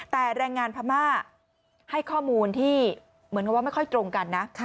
แต่แรงงานพม่าให้ข้อมูลที่เหมือนกับว่าไม่ค่อยตรงกันนะ